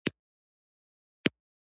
د ټولنې یوه ستره برخه شتمنه کړه.